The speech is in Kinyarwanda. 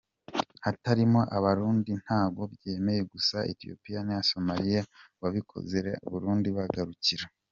Hatarimo abarundi ntago mbyemeye gusa Ethiopie na Somalia mwabikoze Rda Burundi bagakurikira.